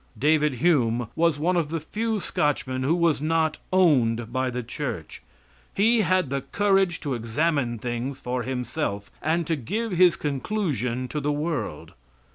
David Hume was one of the few Scotchmen who was not owned by the church. He had the courage to examine things for himself, and to give his conclusion to the world.